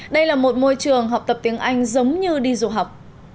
đây là một môi trường học tập tiếng anh giống như đi du học